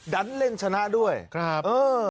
ดันเล่นชนะด้วยเออนะครับ